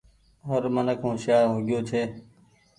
هر منک هوشيآر هو گيو ڇي۔